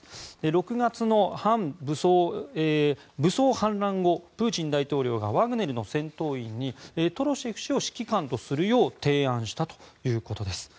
６月の武装反乱後プーチン大統領がワグネルの戦闘員にトロシェフ氏を指揮官とするよう提案したということです。